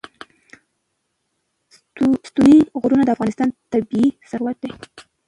ستوني غرونه د افغانستان طبعي ثروت دی.